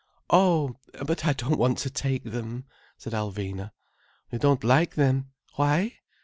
"Oh—but I don't want to take them—" said Alvina. "You don't like them? Why?"